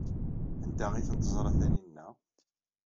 Anda ay ten-teẓra Taninna?